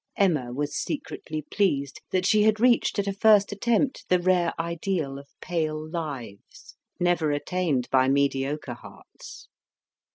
Emma was secretly pleased that she had reached at a first attempt the rare ideal of pale lives, never attained by mediocre hearts.